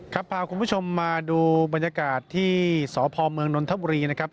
พาคุณผู้ชมมาดูบรรยากาศที่สพเมืองนนทบุรีนะครับ